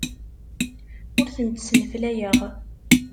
Ur tent-sneflayeɣ.